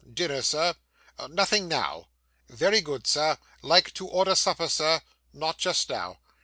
Dinner, sir?' 'Nothing now.' 'Very good, sir. Like to order supper, Sir?' 'Not just now.